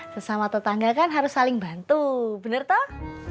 sesama tetangga kan harus saling bantu bener toh